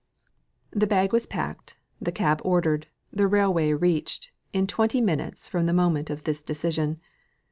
The bag was packed, the cab ordered, the railway reached, in twenty minutes from the time of this decision.